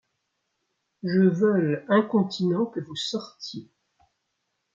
ie veulx incontinent que vous sortiez. ..